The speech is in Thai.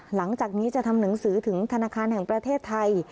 หลังจากนี้จะทำหนังสือถึงธนาคารแห่งประเทศไทย